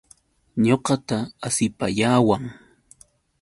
Ñuqata asipayawan.